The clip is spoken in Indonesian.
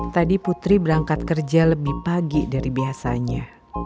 tadi putri berangkat kerja lebih pagi dari biasanya